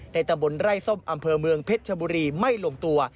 ตำบลไร่ส้มอำเภอเมืองเพชรชบุรีไม่ลงตัว